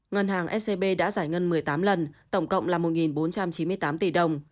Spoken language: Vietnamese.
ngân hàng scb đã giải ngân một mươi tám lần tổng cộng là một bốn trăm chín mươi tám tỷ đồng